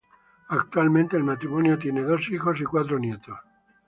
Actualmente, el matrimonio tiene dos hijos y cuatro nietos.